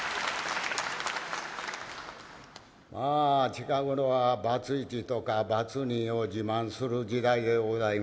近頃はバツ一とかバツ二を自慢する時代でございまして。